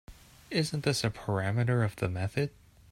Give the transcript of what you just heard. Isn’t this a parameter of the method?